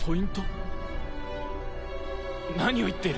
何を言っている？